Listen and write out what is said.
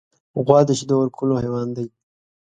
غوا د شیدو ورکولو حیوان دی.